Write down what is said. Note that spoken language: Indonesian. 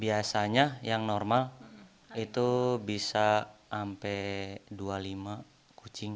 biasanya yang normal itu bisa sampai dua puluh lima kucing